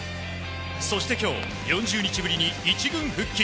そして、今日４０日ぶりに１軍復帰。